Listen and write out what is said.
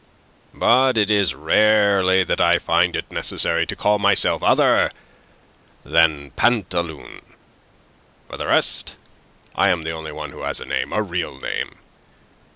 But it is rarely that I find it necessary to call myself other than Pantaloon. For the rest, I am the only one who has a name a real name.